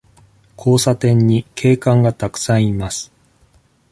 交差点に警官がたくさんいます。